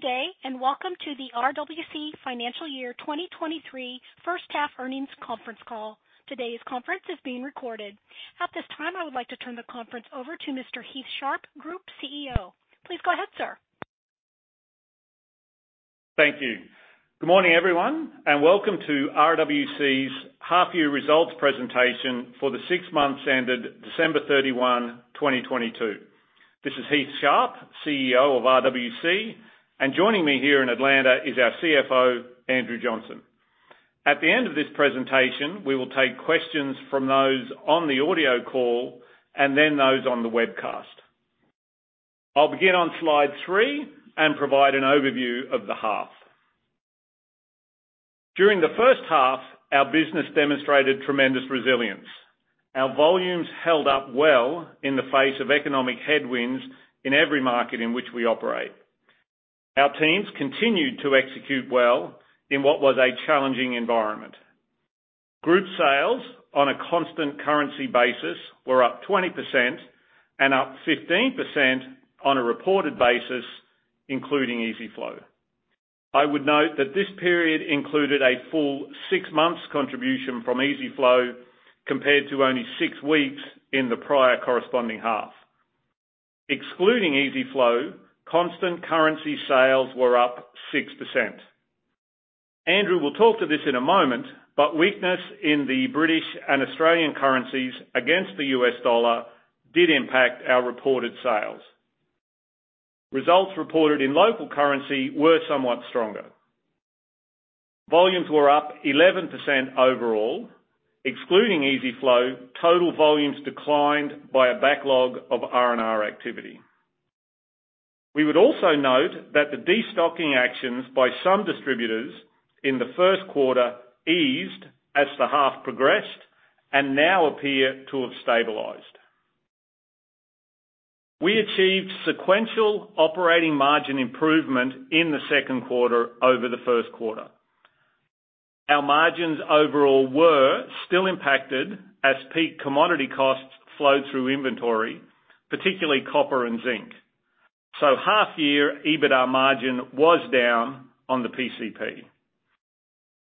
Good day. Welcome to the RWC Financial Year 2023 First Half Earnings Conference Call. Today's conference is being recorded. At this time, I would like to turn the conference over to Mr. Heath Sharp, Group CEO. Please go ahead, sir. Thank you. Good morning, everyone, welcome to RWC's half year results presentation for the 6 months ended December 31, 2022. This is Heath Sharp, CEO of RWC, and joining me here in Atlanta is our CFO, Andrew Johnson. At the end of this presentation, we will take questions from those on the audio call and then those on the webcast. I'll begin on slide 3 and provide an overview of the half. During the first half, our business demonstrated tremendous resilience. Our volumes held up well in the face of economic headwinds in every market in which we operate. Our teams continued to execute well in what was a challenging environment. Group sales on a constant currency basis were up 20% and up 15% on a reported basis, including EZ-FLO. I would note that this period included a full six months contribution from EZ-FLO, compared to only six weeks in the prior corresponding half. Excluding EZ-FLO, constant currency sales were up 6%. Andrew will talk to this in a moment, weakness in the British and Australian currencies against the US dollar did impact our reported sales. Results reported in local currency were somewhat stronger. Volumes were up 11% overall. Excluding EZ-FLO, total volumes declined by a backlog of R&R activity. We would also note that the destocking actions by some distributors in the Q1 eased as the half progressed and now appear to have stabilized. We achieved sequential operating margin improvement in the Q2 over the Q1. Our margins overall were still impacted as peak commodity costs flowed through inventory, particularly copper and zinc. Half year, EBITDA margin was down on the PCP.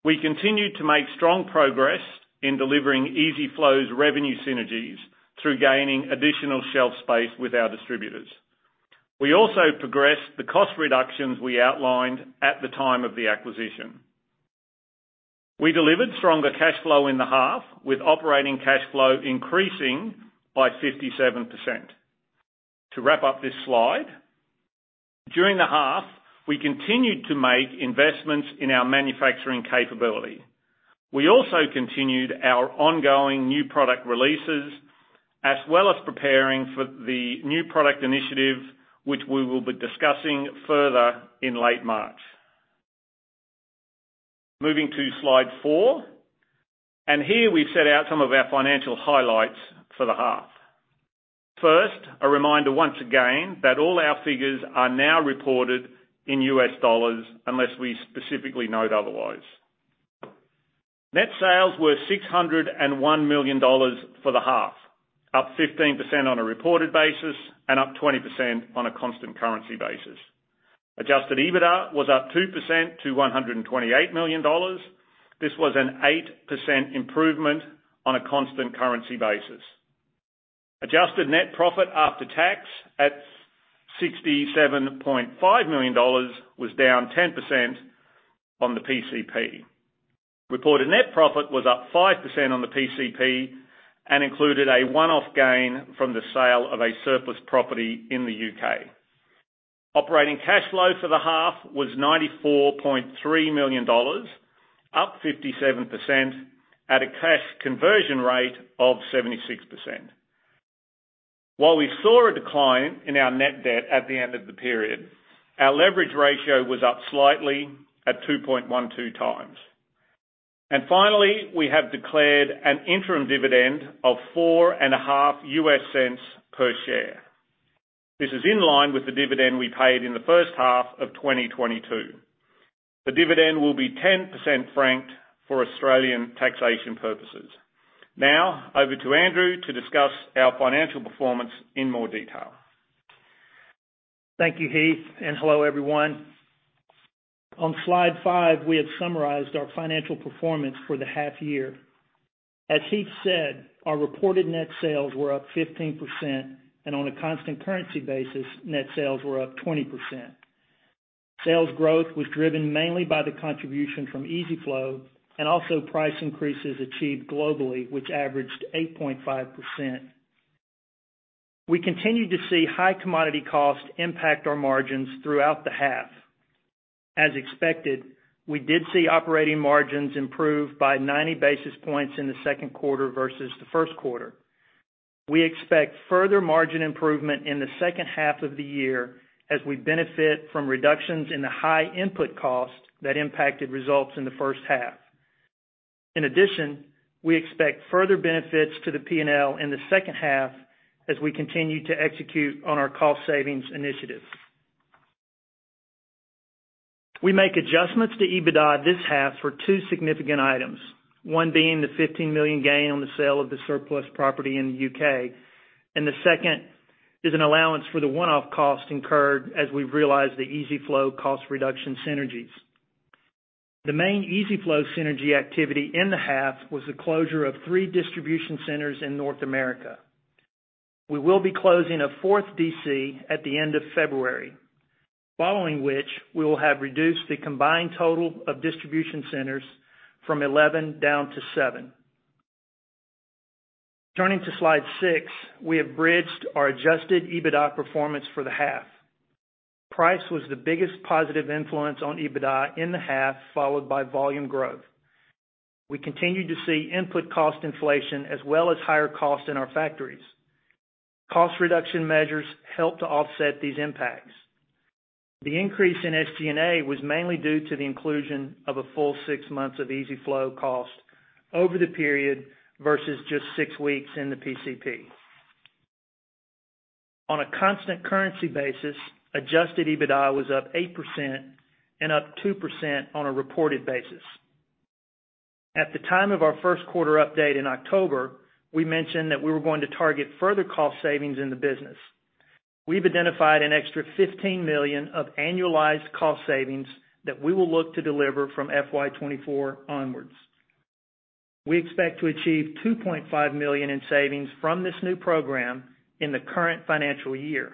We continued to make strong progress in delivering EZ-FLO's revenue synergies through gaining additional shelf space with our distributors. We also progressed the cost reductions we outlined at the time of the acquisition. We delivered stronger cash flow in the half, with operating cash flow increasing by 57%. To wrap up this slide, during the half, we continued to make investments in our manufacturing capability. We also continued our ongoing new product releases, as well as preparing for the new product initiative, which we will be discussing further in late March. Moving to slide 4, here we've set out some of our financial highlights for the half. First, a reminder once again that all our figures are now reported in US dollars unless we specifically note otherwise. Net sales were $601 million for the half, up 15% on a reported basis and up 20% on a constant currency basis. Adjusted EBITDA was up 2% to $128 million. This was an 8% improvement on a constant currency basis. Adjusted net profit after tax at $67.5 million was down 10% on the PCP. Reported net profit was up 5% on the PCP and included a one-off gain from the sale of a surplus property in the UK. Operating cash flow for the half was $94.3 million, up 57% at a cash conversion rate of 76%. While we saw a decline in our net debt at the end of the period, our leverage ratio was up slightly at 2.12 times. Finally, we have declared an interim dividend of four and a half US cents per share. This is in line with the dividend we paid in the first half of 2022. The dividend will be 10% franked for Australian taxation purposes. Over to Andrew to discuss our financial performance in more detail. Thank you, Heath, and hello, everyone. On slide 5, we have summarized our financial performance for the half year. As Heath said, our reported net sales were up 15%, and on a constant currency basis, net sales were up 20%. Sales growth was driven mainly by the contribution from EZ-FLO and also price increases achieved globally, which averaged 8.5%. We continued to see high commodity cost impact our margins throughout the half. As expected, we did see operating margins improve by 90 basis points in the Q2 versus the Q1. We expect further margin improvement in the second half of the year as we benefit from reductions in the high input cost that impacted results in the first half. In addition, we expect further benefits to the P&L in the second half as we continue to execute on our cost savings initiatives. We make adjustments to EBITDA this half for two significant items. One being the $15 million gain on the sale of the surplus property in the U.K., and the second is an allowance for the one-off cost incurred as we realize the EZ-FLO cost reduction synergies. The main EZ-FLO synergy activity in the half was the closure of 3 distribution centers in North America. We will be closing a fourth D.C. at the end of February, following which we will have reduced the combined total of distribution centers from 11 down to 7. Turning to slide 6, we have bridged our adjusted EBITDA performance for the half. Price was the biggest positive influence on EBITDA in the half, followed by volume growth. We continued to see input cost inflation as well as higher costs in our factories. Cost reduction measures helped to offset these impacts. The increase in SG&A was mainly due to the inclusion of a full 6 months of EZ-FLO costs over the period versus just 6 weeks in the PCP. On a constant currency basis, adjusted EBITDA was up 8% and up 2% on a reported basis. At the time of our Q1 update in October, we mentioned that we were going to target further cost savings in the business. We've identified an extra $15 million of annualized cost savings that we will look to deliver from FY24 onwards. We expect to achieve $2.5 million in savings from this new program in the current financial year.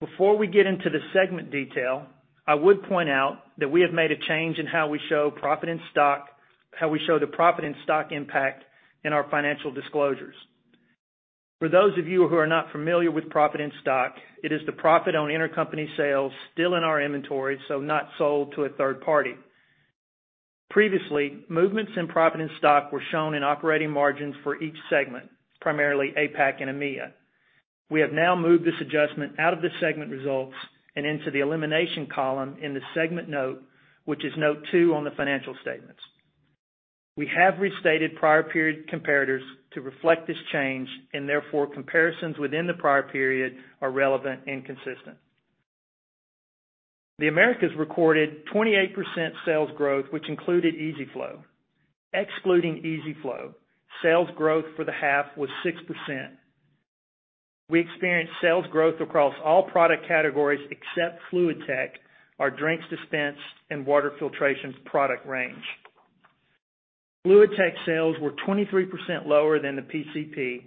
Before we get into the segment detail, I would point out that we have made a change in how we show the profit and stock impact in our financial disclosures. For those of you who are not familiar with profit and stock, it is the profit on intercompany sales still in our inventory, so not sold to a third party. Previously, movements in profit and stock were shown in operating margins for each segment, primarily APAC and EMEA. We have now moved this adjustment out of the segment results and into the elimination column in the segment note, which is note two on the financial statements. We have restated prior period comparators to reflect this change and therefore comparisons within the prior period are relevant and consistent. The Americas recorded 28% sales growth, which included EZ-FLO. Excluding EZ-FLO, sales growth for the half was 6%. We experienced sales growth across all product categories except FluidTech, our drinks dispense and water filtration product range. FluidTech sales were 23% lower than the PCP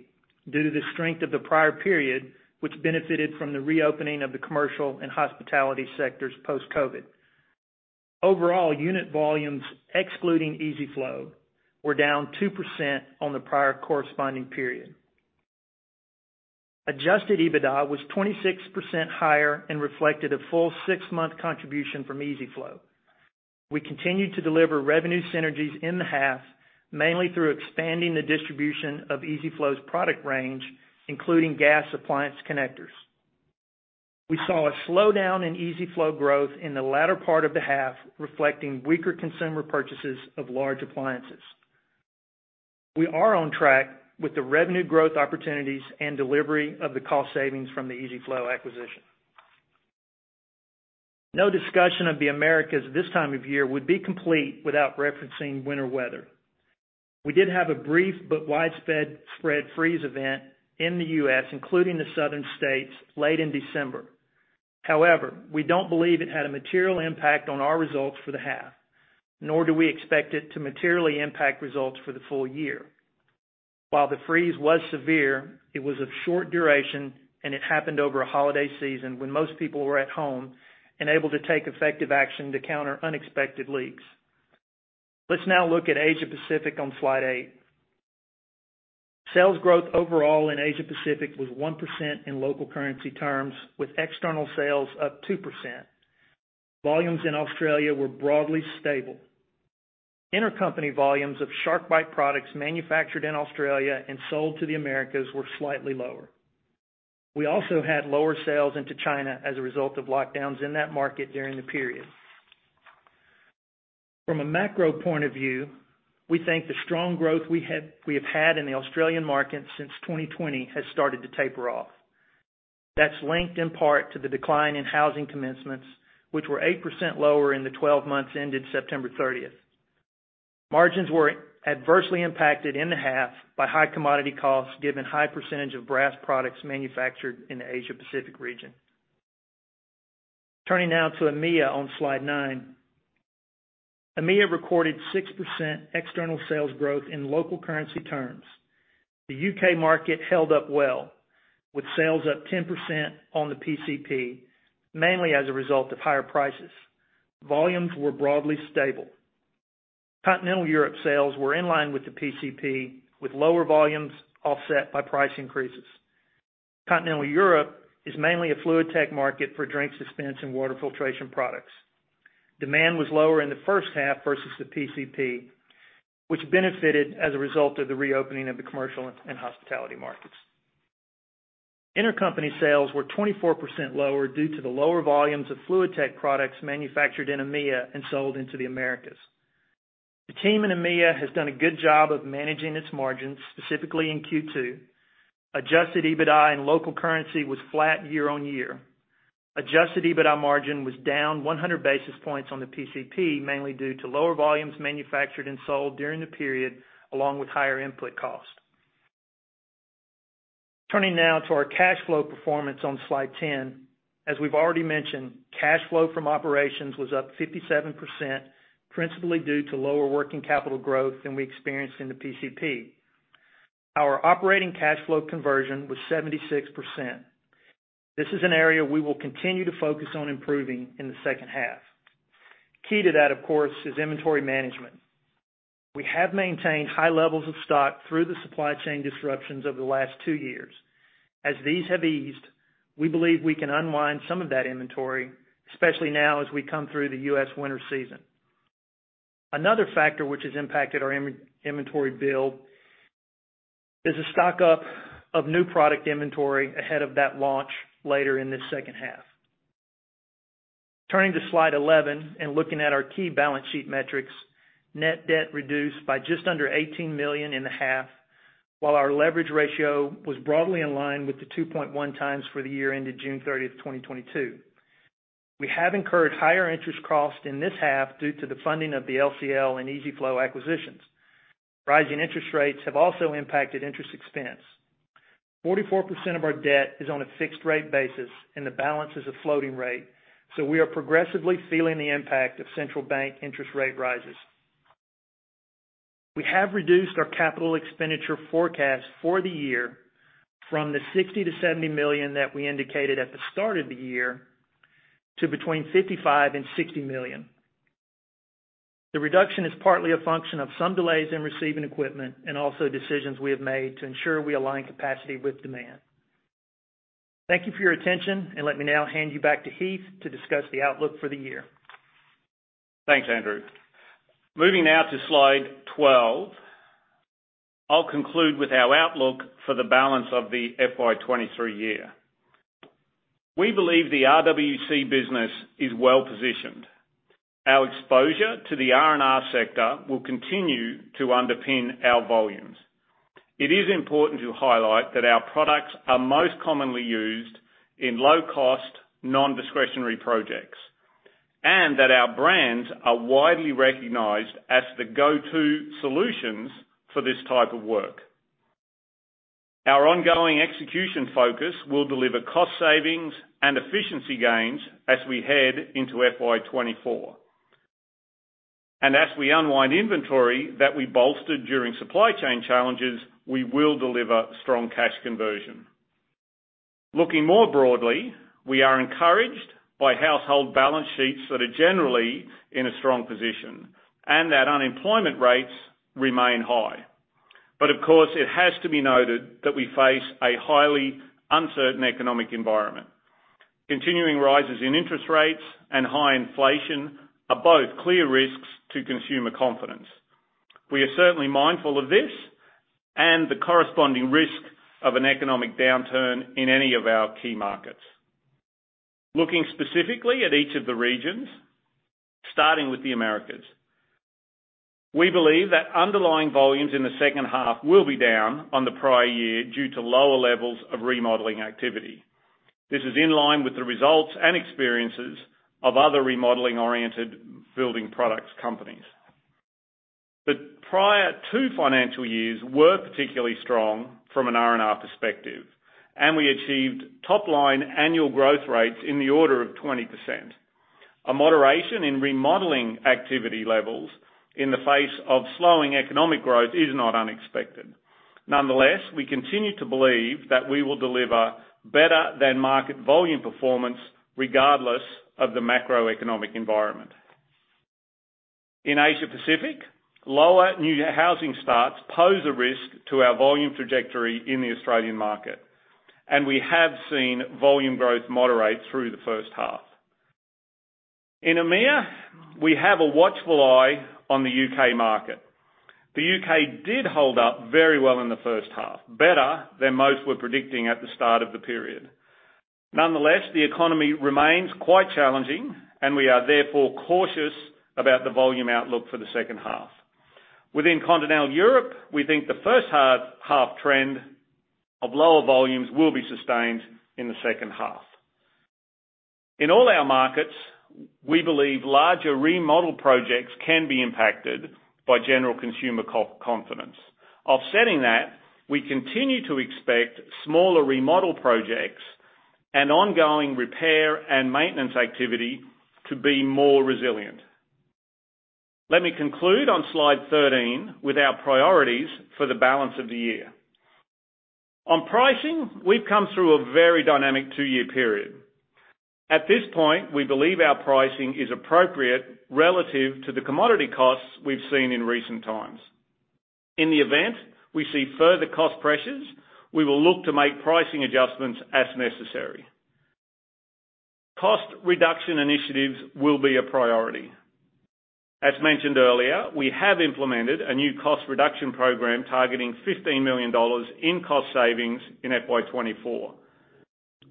due to the strength of the prior period, which benefited from the reopening of the commercial and hospitality sectors post-COVID. Overall unit volumes, excluding EZ-FLO, were down 2% on the prior corresponding period. Adjusted EBITDA was 26% higher and reflected a full 6-month contribution from EZ-FLO. We continued to deliver revenue synergies in the half, mainly through expanding the distribution of EZ-FLO's product range, including gas appliance connectors. We saw a slowdown in EZ-FLO growth in the latter part of the half, reflecting weaker consumer purchases of large appliances. We are on track with the revenue growth opportunities and delivery of the cost savings from the EZ-FLO acquisition. No discussion of the Americas this time of year would be complete without referencing winter weather. We did have a brief but widespread freeze event in the U.S., including the southern states, late in December. We don't believe it had a material impact on our results for the half, nor do we expect it to materially impact results for the full year. The freeze was severe, it was of short duration, and it happened over a holiday season when most people were at home and able to take effective action to counter unexpected leaks. Let's now look at Asia Pacific on slide 8. Sales growth overall in Asia Pacific was 1% in local currency terms, with external sales up 2%. Volumes in Australia were broadly stable. Intercompany volumes of SharkBite products manufactured in Australia and sold to the Americas were slightly lower. We also had lower sales into China as a result of lockdowns in that market during the period. From a macro point of view, we think the strong growth we have had in the Australian market since 2020 has started to taper off. That's linked in part to the decline in housing commencements, which were 8% lower in the 12 months ended September thirtieth. Margins were adversely impacted in the half by high commodity costs given high percentage of brass products manufactured in the Asia Pacific region. Turning now to EMEA on slide 9. EMEA recorded 6% external sales growth in local currency terms. The U.K. market held up well, with sales up 10% on the PCP, mainly as a result of higher prices. Volumes were broadly stable. Continental Europe sales were in line with the PCP, with lower volumes offset by price increases. Continental Europe is mainly a FluidTech market for drink dispense and water filtration products. Demand was lower in the first half versus the PCP, which benefited as a result of the reopening of the commercial and hospitality markets. Intercompany sales were 24% lower due to the lower volumes of FluidTech products manufactured in EMEA and sold into the Americas. The team in EMEA has done a good job of managing its margins, specifically in Q2. Adjusted EBITDA in local currency was flat year-on-year. Adjusted EBITDA margin was down 100 basis points on the PCP, mainly due to lower volumes manufactured and sold during the period, along with higher input costs. Turning now to our cash flow performance on Slide 10. As we've already mentioned, cash flow from operations was up 57%, principally due to lower working capital growth than we experienced in the PCP. Our operating cash flow conversion was 76%. This is an area we will continue to focus on improving in the second half. Key to that, of course, is inventory management. We have maintained high levels of stock through the supply chain disruptions over the last 2 years. As these have eased, we believe we can unwind some of that inventory, especially now as we come through the U.S. winter season. Another factor which has impacted our in-inventory build is a stock up of new product inventory ahead of that launch later in this second half. Turning to Slide 11 and looking at our key balance sheet metrics. Net debt reduced by just under $18 million in the half, while our leverage ratio was broadly in line with the 2.1 times for the year ended June 30th, 2022. We have incurred higher interest costs in this half due to the funding of the LCL and EZ-FLO acquisitions. Rising interest rates have also impacted interest expense. 44% of our debt is on a fixed rate basis and the balance is a floating rate, we are progressively feeling the impact of central bank interest rate rises. We have reduced our capital expenditure forecast for the year from the $60 million-$70 million that we indicated at the start of the year to between $55 million and $60 million. The reduction is partly a function of some delays in receiving equipment and also decisions we have made to ensure we align capacity with demand. Thank you for your attention, let me now hand you back to Heath to discuss the outlook for the year. Thanks, Andrew. Moving now to Slide 12. I'll conclude with our outlook for the balance of the FY23 year. We believe the RWC business is well positioned. Our exposure to the R&R sector will continue to underpin our volumes. It is important to highlight that our products are most commonly used in low-cost, non-discretionary projects, and that our brands are widely recognized as the go-to solutions for this type of work. Our ongoing execution focus will deliver cost savings and efficiency gains as we head into FY24. As we unwind inventory that we bolstered during supply chain challenges, we will deliver strong cash conversion. Looking more broadly, we are encouraged by household balance sheets that are generally in a strong position and that unemployment rates remain high. Of course, it has to be noted that we face a highly uncertain economic environment. Continuing rises in interest rates and high inflation are both clear risks to consumer confidence. We are certainly mindful of this and the corresponding risk of an economic downturn in any of our key markets. Looking specifically at each of the regions, starting with the Americas. We believe that underlying volumes in the second half will be down on the prior year due to lower levels of remodeling activity. This is in line with the results and experiences of other remodeling-oriented building products companies. The prior two financial years were particularly strong from an R&R perspective, and we achieved top-line annual growth rates in the order of 20%. A moderation in remodeling activity levels in the face of slowing economic growth is not unexpected. Nonetheless, we continue to believe that we will deliver better than market volume performance regardless of the macroeconomic environment. In Asia Pacific, lower new housing starts pose a risk to our volume trajectory in the Australian market. We have seen volume growth moderate through the first half. In EMEA, we have a watchful eye on the U.K. market. The U.K. did hold up very well in the first half, better than most were predicting at the start of the period. Nonetheless, the economy remains quite challenging and we are therefore cautious about the volume outlook for the second half. Within Continental Europe, we think the first half trend of lower volumes will be sustained in the second half. In all our markets, we believe larger remodel projects can be impacted by general consumer confidence. Offsetting that, we continue to expect smaller remodel projects and ongoing repair and maintenance activity to be more resilient. Let me conclude on Slide 13 with our priorities for the balance of the year. On pricing, we've come through a very dynamic two-year period. At this point, we believe our pricing is appropriate relative to the commodity costs we've seen in recent times. In the event we see further cost pressures, we will look to make pricing adjustments as necessary. Cost reduction initiatives will be a priority. As mentioned earlier, we have implemented a new cost reduction program targeting $15 million in cost savings in FY24.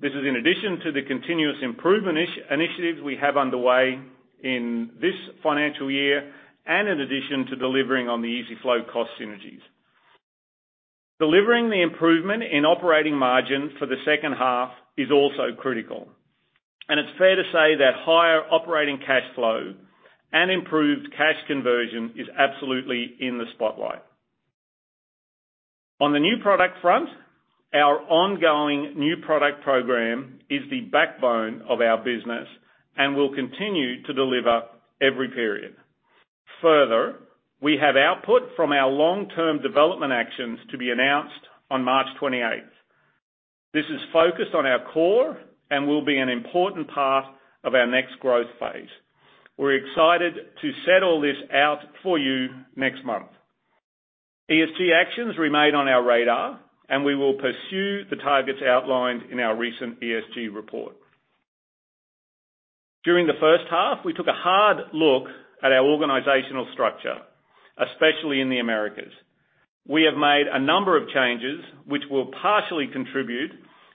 This is in addition to the continuous improvement initiatives we have underway in this financial year and in addition to delivering on the EZ-FLO cost synergies. Delivering the improvement in operating margin for the second half is also critical. It's fair to say that higher operating cash flow and improved cash conversion is absolutely in the spotlight. On the new product front, our ongoing new product program is the backbone of our business and will continue to deliver every period. We have output from our long-term development actions to be announced on March 28th. This is focused on our core and will be an important part of our next growth phase. We're excited to set all this out for you next month. ESG actions remain on our radar. We will pursue the targets outlined in our recent ESG report. During the first half, we took a hard look at our organizational structure, especially in the Americas. We have made a number of changes which will partially contribute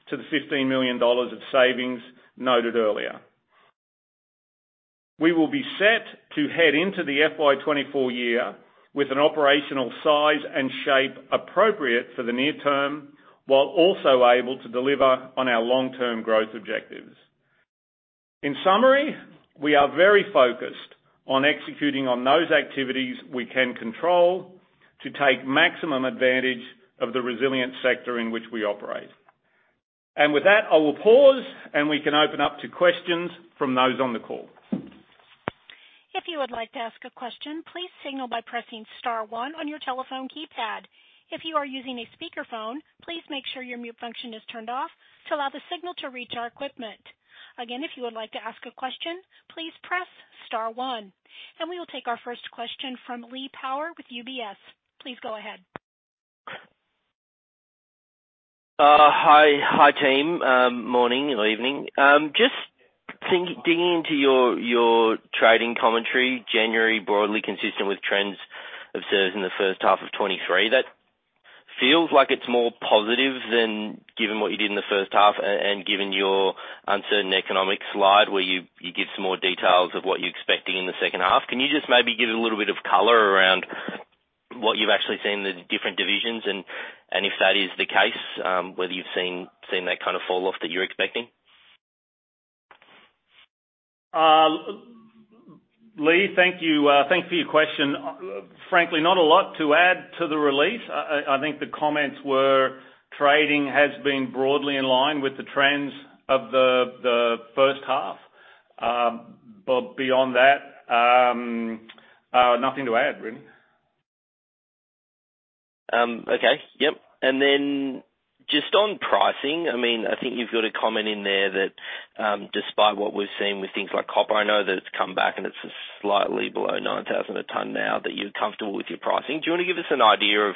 to the $15 million of savings noted earlier. We will be set to head into the FY24 year with an operational size and shape appropriate for the near term, while also able to deliver on our long-term growth objectives. In summary, we are very focused on executing on those activities we can control to take maximum advantage of the resilient sector in which we operate. With that, I will pause, and we can open up to questions from those on the call. If you would like to ask a question, please signal by pressing star one on your telephone keypad. If you are using a speakerphone, please make sure your mute function is turned off to allow the signal to reach our equipment. Again, if you would like to ask a question, please press star one. We will take our first question from Lee Power with UBS. Please go ahead. Hi, team. Morning or evening. Digging into your trading commentary, January broadly consistent with trends observed in the first half of 23. That feels like it's more positive than given what you did in the first half and given your uncertain economic slide where you give some more details of what you're expecting in the second half. Can you just maybe give a little bit of color around what you've actually seen in the different divisions and if that is the case, whether you've seen that kind of fall off that you're expecting? Lee, thank you. Thanks for your question. Frankly, not a lot to add to the release. I think the comments were trading has been broadly in line with the trends of the first half. Beyond that, nothing to add really. Okay. Yep. Just on pricing, I mean, I think you've got a comment in there that, despite what we've seen with things like copper, I know that it's come back and it's slightly below $9,000 a ton now that you're comfortable with your pricing. Do you wanna give us an idea of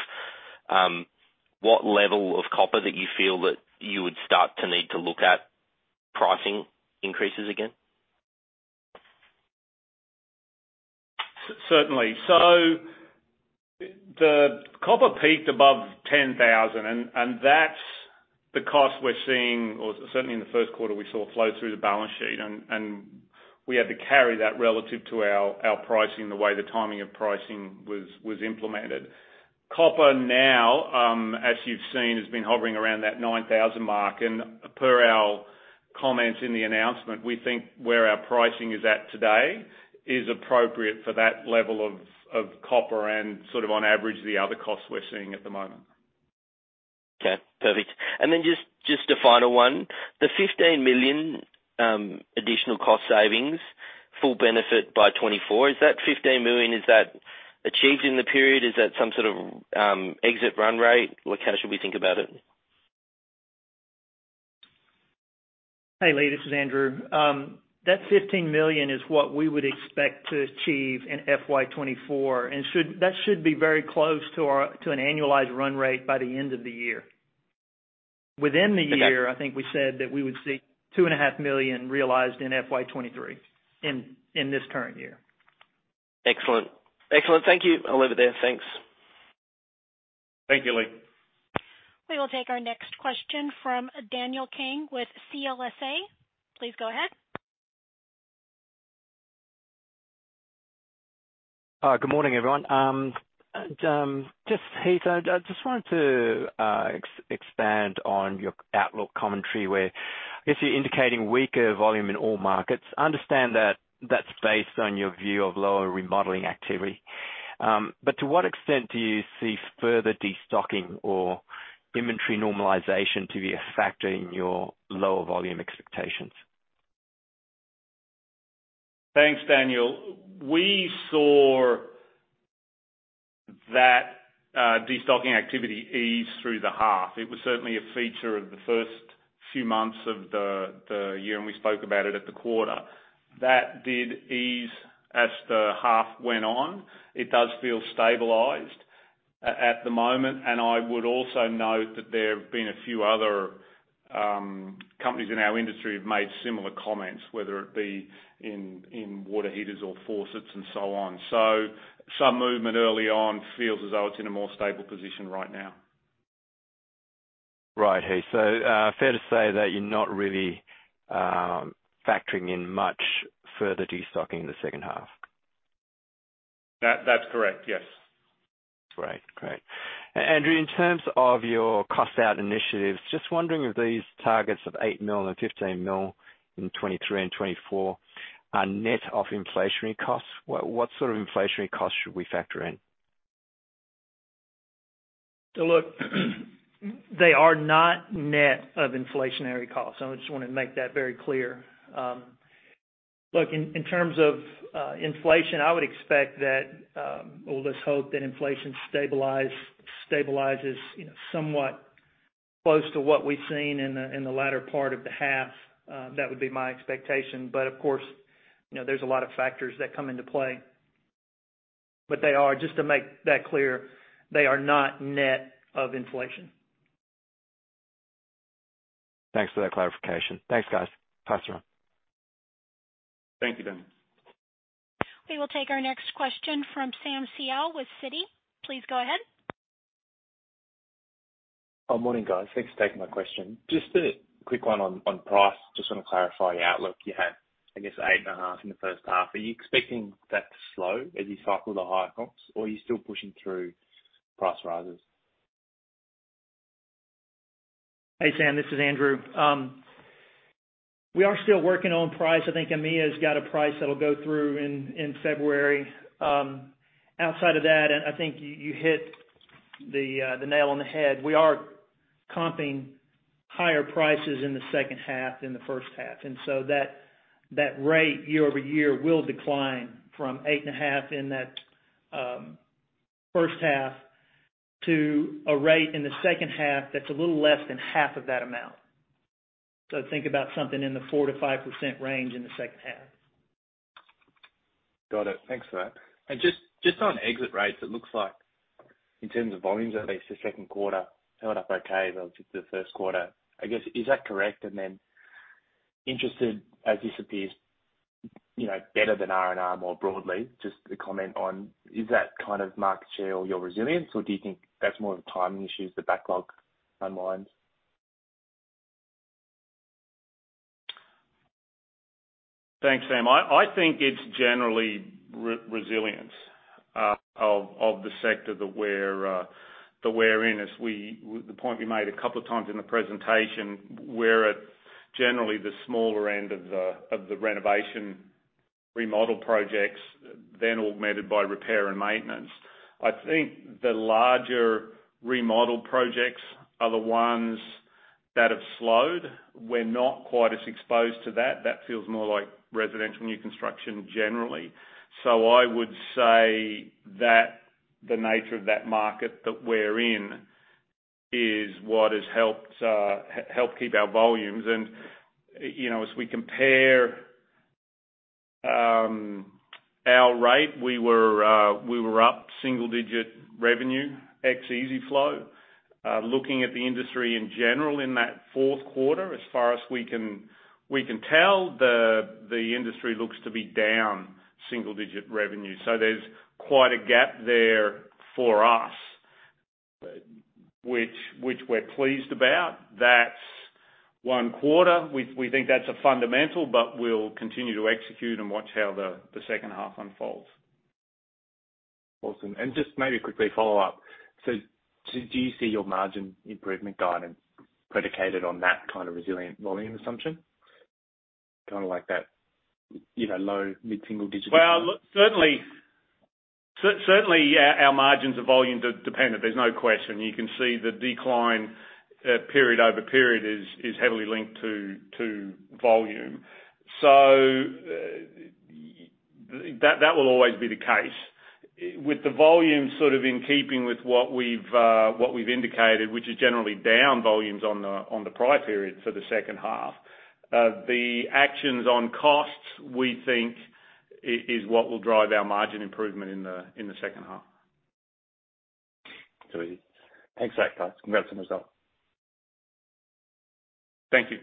what level of copper that you feel that you would start to need to look at pricing increases again? Certainly. The copper peaked above $10,000, and that's the cost we're seeing, or certainly in the Q1, we saw flow through the balance sheet and we had to carry that relative to our pricing, the way the timing of pricing was implemented. Copper now, as you've seen, has been hovering around that $9,000 mark. Per our comments in the announcement, we think where our pricing is at today is appropriate for that level of copper and sort of on average, the other costs we're seeing at the moment. Okay, perfect. Then just a final one. The $15 million additional cost savings, full benefit by 2024, is that $15 million, is that achieved in the period? Is that some sort of exit run rate? Like, how should we think about it? Hey, Lee, this is Andrew. That $15 million is what we would expect to achieve in FY24, that should be very close to an annualized run rate by the end of the year. Within the year. Okay. I think we said that we would see $two and a half million realized in FY23, in this current year. Excellent. Excellent. Thank you. I'll leave it there. Thanks. Thank you, Lee. We will take our next question from Daniel Kang with CLSA. Please go ahead. Good morning, everyone. Just, Heath, I just wanted to expand on your outlook commentary where I guess you're indicating weaker volume in all markets. I understand that that's based on your view of lower remodeling activity. To what extent do you see further destocking or inventory normalization to be a factor in your lower volume expectations? Thanks, Daniel. We saw that destocking activity ease through the half. It was certainly a feature of the first few months of the year. We spoke about it at the quarter. That did ease as the half went on. It does feel stabilized at the moment. I would also note that there have been a few other companies in our industry have made similar comments, whether it be in water heaters or faucets and so on. Some movement early on feels as though it's in a more stable position right now. Fair to say that you're not really factoring in much further destocking in the second half. That's correct. Yes. Great. Great. Andrew, in terms of your cost out initiatives, just wondering if these targets of $8 million and $15 million in FY23 and FY24 are net of inflationary costs? What sort of inflationary costs should we factor in? Look, they are not net of inflationary costs. I just want to make that very clear. Look, in terms of inflation, I would expect that, well, let's hope that inflation stabilizes, you know, somewhat close to what we've seen in the, in the latter part of the half. That would be my expectation. Of course, you know, there's a lot of factors that come into play. Just to make that clear, they are not net of inflation. Thanks for that clarification. Thanks, guys. Pass around. Thank you, Daniel. We will take our next question from Samuel Seow with Citi. Please go ahead. Oh, morning, guys. Thanks for taking my question. Just a quick one on price. Just wanna clarify your outlook. You had, I guess, 8.5% in the first half. Are you expecting that to slow as you cycle the higher comps, or are you still pushing through price rises? Hey, Sam, this is Andrew. We are still working on price. I think EMEA's got a price that'll go through in February. Outside of that, I think you hit the nail on the head. We are comping higher prices in the second half than the first half. That, that rate year-over-year will decline from eight and a half in that first half to a rate in the second half that's a little less than half of that amount. Think about something in the 4%-5% range in the second half. Got it. Thanks for that. Just on exit rates, it looks like in terms of volumes, at least the Q2 held up okay relative to the Q1. I guess, is that correct? Interested as this appears, you know, better than R&R more broadly, just to comment on, is that kind of market share or your resilience, or do you think that's more of a timing issue as the backlog unwinds? Thanks, Sam. I think it's generally resilience of the sector that we're in. The point we made a couple of times in the presentation, we're at generally the smaller end of the renovation remodel projects, then augmented by repair and maintenance. I think the larger remodel projects are the ones that have slowed. We're not quite as exposed to that. That feels more like residential new construction generally. I would say that the nature of that market that we're in is what has help keep our volumes. You know, as we compare our rate, we were up single-digit revenue, ex EZ-FLO. Looking at the industry in general in that Q4, as far as we can tell, the industry looks to be down single-digit revenue. There's quite a gap there for us, which we're pleased about. That's 1 quarter. We think that's a fundamental, but we'll continue to execute and watch how the second half unfolds. Awesome. Just maybe quickly follow up. Do you see your margin improvement guidance predicated on that kind of resilient volume assumption? Kind of like that, you know, low mid-single digit Certainly, yeah, our margins are volume dependent, there's no question. You can see the decline, period over period is heavily linked to volume. That will always be the case. With the volume sort of in keeping with what we've indicated, which is generally down volumes on the prior period for the second half, the actions on costs, we think is what will drive our margin improvement in the second half. Sweetie. Thanks for that, guys. Congrats on the result. Thank you.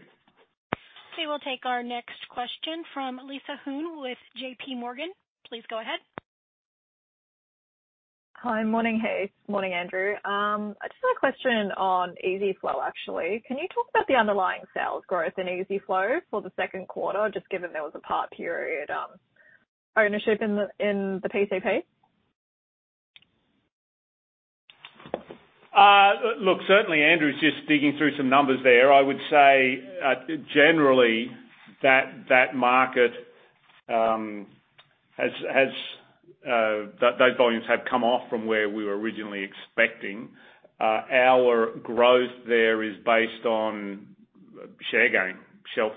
We will take our next question from Lisa Huynh with JPMorgan. Please go ahead. Hi. Morning, Heath Sharp. Morning, Andrew. I just have a question on EZ-FLO, actually. Can you talk about the underlying sales growth in EZ-FLO for the 2Q, just given there was a part period ownership in the PCP? look, certainly, Andrew's just digging through some numbers there. I would say, generally that market, that those volumes have come off from where we were originally expecting. Our growth there is based on share gain, shelf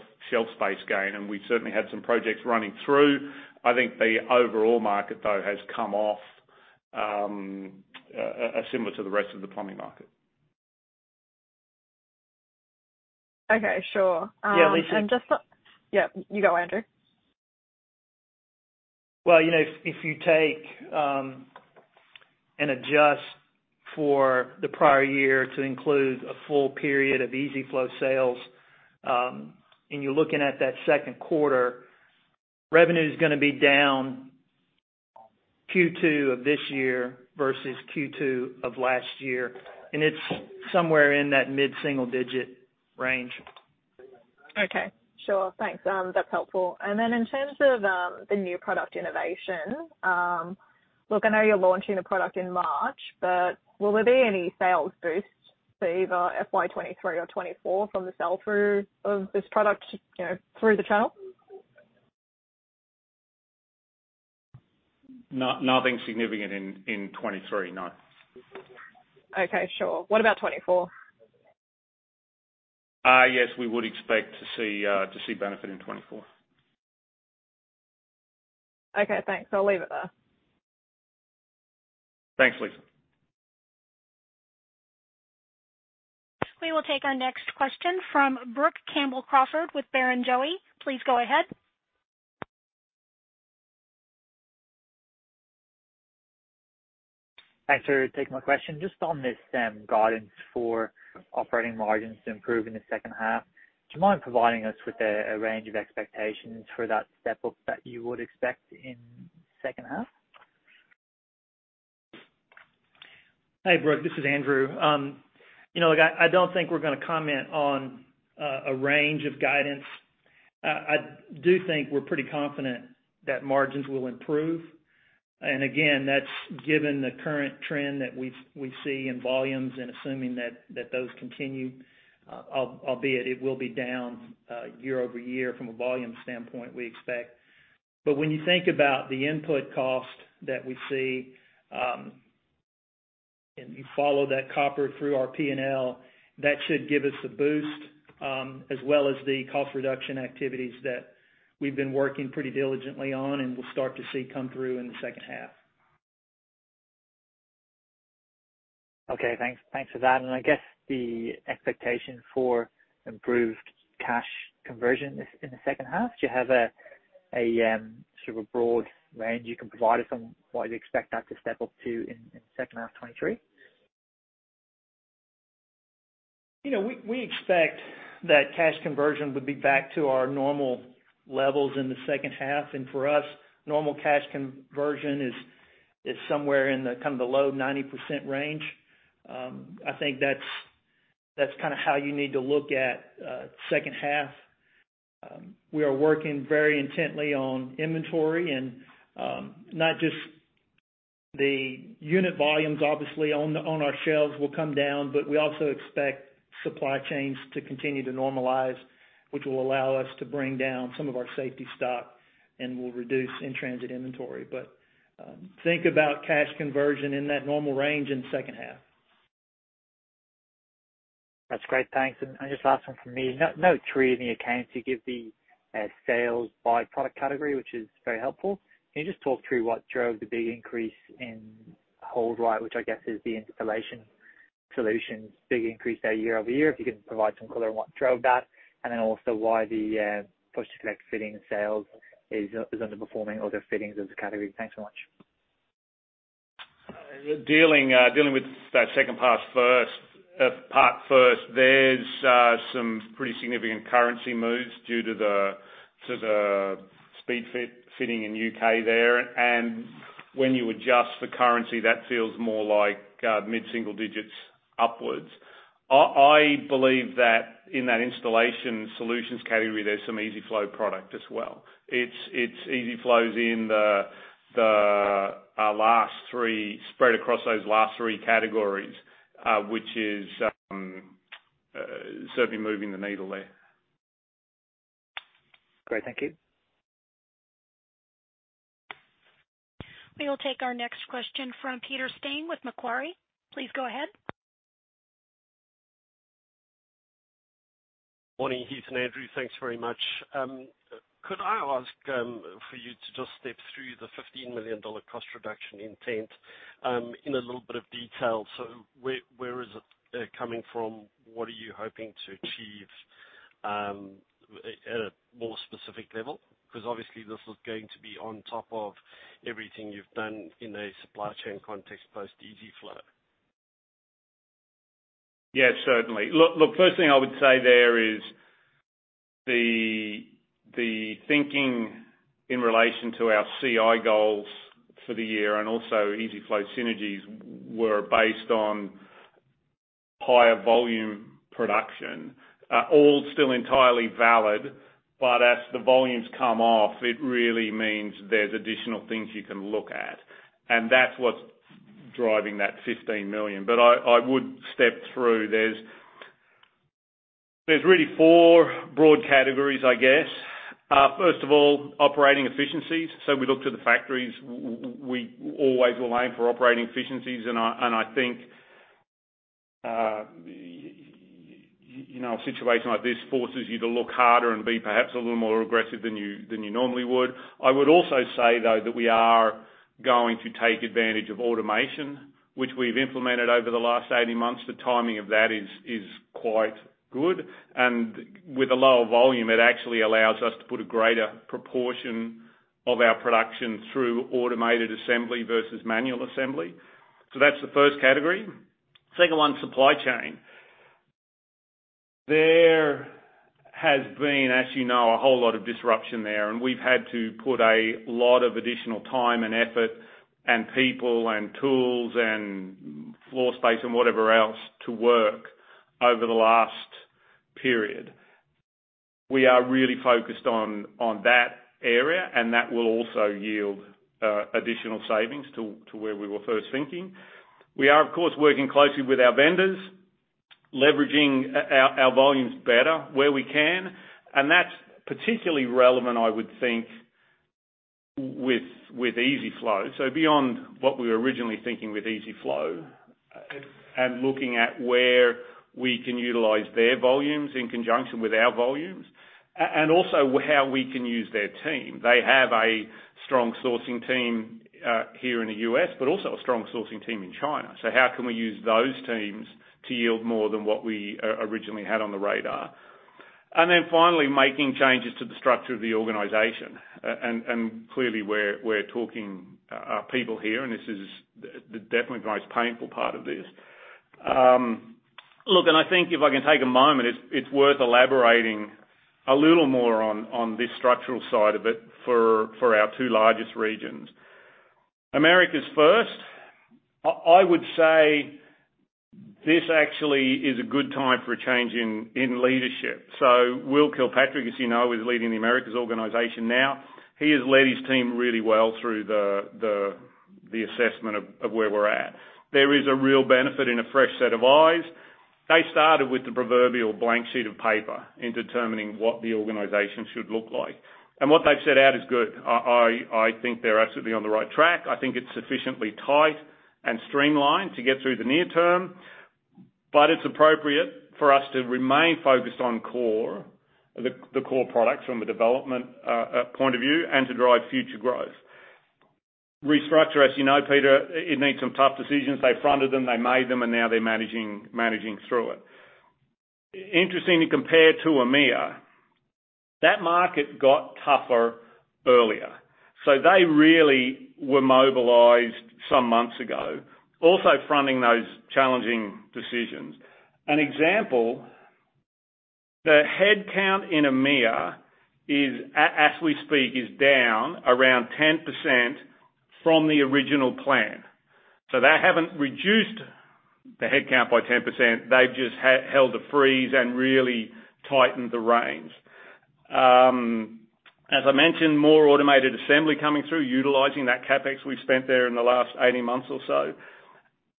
space gain, and we certainly had some projects running through. I think the overall market, though, has come off, similar to the rest of the plumbing market. Okay, sure. Yeah, Lisa Just the. Yeah, you go, Andrew. You know, if you take and adjust for the prior year to include a full period of EZ-FLO sales, you're looking at that Q2, revenue is gonna be downQ2 of this year versus Q2 of last year. It's somewhere in that mid-single digit range. Okay. Sure. Thanks. That's helpful. In terms of the new product innovation, look, I know you're launching a product in March, but will there be any sales boost to either FY23 or FY24 from the sell-through of this product, you know, through the channel? Nothing significant in 2023, no. Okay. Sure. What about 24? Yes, we would expect to see, to see benefit in 2024. Okay, thanks. I'll leave it there. Thanks, Lisa. We will take our next question from Brook Campbell-Crawford with Barrenjoey. Please go ahead. Thanks for taking my question. Just on this guidance for operating margins to improve in the second half. Do you mind providing us with a range of expectations for that step-up that you would expect in second half? Hey, Brook, this is Andrew. you know, look, I don't think we're gonna comment on a range of guidance. I do think we're pretty confident that margins will improve. Again, that's given the current trend that we see in volumes and assuming that those continue, albeit it will be down year-over-year from a volume standpoint, we expect. When you think about the input cost that we see, and you follow that copper through our P&L, that should give us a boost, as well as the cost reduction activities that we've been working pretty diligently on and we'll start to see come through in the second half. Okay, thanks. Thanks for that. I guess the expectation for improved cash conversion is in the second half. Do you have a sort of a broad range you can provide us on what you expect that to step up to in second half FY23? You know, we expect that cash conversion would be back to our normal levels in the second half. For us, normal cash conversion is somewhere in the kind of the low 90% range. I think that's kind of how you need to look at second half. We are working very intently on inventory and not just the unit volumes, obviously on our shelves will come down, but we also expect supply chains to continue to normalize, which will allow us to bring down some of our safety stock, and we'll reduce in-transit inventory. Think about cash conversion in that normal range in the second half. That's great. Thanks. Just last one from me. No, no tree in the accounts you give the sales by product category, which is very helpful. Can you just talk through what drove the big increase in HoldRite, which I guess is the installation solutions big increase there year-over-year? If you can provide some color on what drove that, and then also why the push-to-connect fitting sales is underperforming other fittings as a category. Thanks so much. Dealing with that second part first, there's some pretty significant currency moves due to the speed fit-fitting in U.K. there. When you adjust for currency, that feels more like mid-single digits upwards. I believe that in that installation solutions category, there's some EZ-FLO product as well. It's EZ-FLO's in the, our last three-- spread across those last three categories, which is certainly moving the needle there. Great. Thank you. We will take our next question from Peter Steyn with Macquarie. Please go ahead. Morning, Heath and Andrew. Thanks very much. Could I ask for you to just step through the $15 million cost reduction intent in a little bit of detail? Where is it coming from? What are you hoping to achieve at a more specific level? Because obviously this is going to be on top of everything you've done in a supply chain context post EZ-FLO. Yeah, certainly. Look, first thing I would say there is the thinking in relation to our CI goals for the year and also EZ-FLO synergies were based on higher volume production, all still entirely valid, but as the volumes come off, it really means there's additional things you can look at. That's what's driving that $15 million. I would step through. There's really four broad categories, I guess. First of all, operating efficiencies. We look to the factories, we always will aim for operating efficiencies, and I think you know, a situation like this forces you to look harder and be perhaps a little more aggressive than you normally would. I would also say, though, that we are going to take advantage of automation, which we've implemented over the last 18 months. The timing of that is quite good. With a lower volume, it actually allows us to put a greater proportion of our production through automated assembly versus manual assembly. That's the first category. Second one, supply chain. There has been, as you know, a whole lot of disruption there, and we've had to put a lot of additional time and effort and people and tools and floor space and whatever else to work over the last period. We are really focused on that area, and that will also yield additional savings to where we were first thinking. We are, of course, working closely with our vendors, leveraging our volumes better where we can, and that's particularly relevant, I would think with EZ-FLO. Beyond what we were originally thinking with EZ-FLO and looking at where we can utilize their volumes in conjunction with our volumes and also how we can use their team. They have a strong sourcing team here in the U.S., but also a strong sourcing team in China. How can we use those teams to yield more than what we originally had on the radar? Then finally making changes to the structure of the organization. Clearly we're talking our people here, and this is definitely the most painful part of this. Look, I think if I can take a moment, it's worth elaborating a little more on this structural side of it for our two largest regions. Americas first. I would say this actually is a good time for a change in leadership. Will Kilpatrick, as you know, is leading the Americas organization now. He has led his team really well through the assessment of where we're at. There is a real benefit in a fresh set of eyes. They started with the proverbial blank sheet of paper in determining what the organization should look like. And what they've set out is good. I think they're absolutely on the right track. I think it's sufficiently tight and streamlined to get through the near term, but it's appropriate for us to remain focused on core, the core products from a development point of view and to drive future growth. Restructure, as you know, Peter, it needs some tough decisions. They fronted them, they made them, and now they're managing through it. Interestingly, compared to EMEA, that market got tougher earlier. They really were mobilized some months ago, also fronting those challenging decisions. An example, the headcount in EMEA as we speak, is down around 10% from the original plan. They haven't reduced the headcount by 10%. They've just held the freeze and really tightened the reins. As I mentioned, more automated assembly coming through, utilizing that CapEx we've spent there in the last 18 months or so.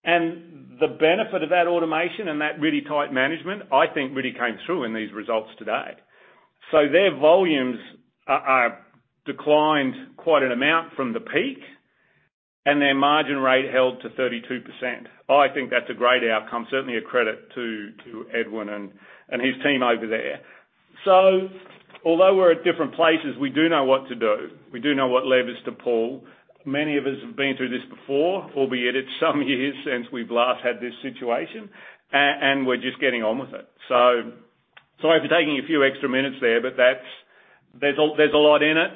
The benefit of that automation and that really tight management, I think really came through in these results today. Their volumes are declined quite an amount from the peak, and their margin rate held to 32%. I think that's a great outcome, certainly a credit to Edwin and his team over there. Although we're at different places, we do know what to do. We do know what levers to pull. Many of us have been through this before, albeit it's some years since we've last had this situation, and we're just getting on with it. Sorry for taking a few extra minutes there, but there's a lot in it.